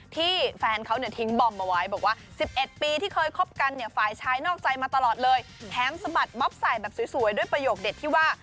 ที่แฟนเขาเนี่ยทิ้งบอมมาไว้บอกว่า๑๑ปีที่เคยคบกันเนี่ยฝ่ายชายนอกใจมาตลอดเลยแถมสะบัดม็อบใส่แบบสวยด้วยประโยคเด็ดที่ว่า